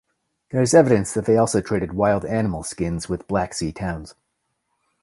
There is evidence they also traded wild animal skins with Black Sea towns.